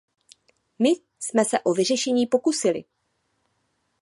My jsme se o vyřešení pokusili.